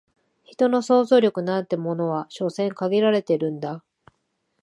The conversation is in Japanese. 人の想像力なんてものは所詮限られてるんだ